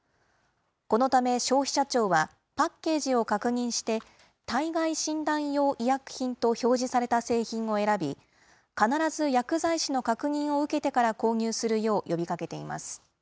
このため、消費者庁は、パッケージを確認して体外診断用医薬品と表示された製品を選び、必ず薬剤師の確認を受けてから購入するよう呼びかけています。